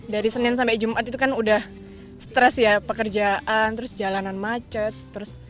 dari senin sampai jumat itu kan udah stres ya pekerjaan terus jalanan macet